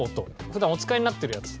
普段お使いになってるやつ？